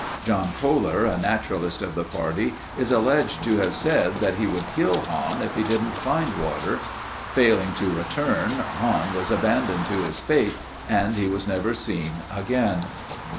John Koehler, a naturalist of the party is alleged to have said that he would kill Hahn if he didn't find water. Failing to return Hahn was abandoned to his fate and he was never seen again.